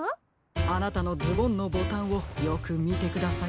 あなたのズボンのボタンをよくみてください。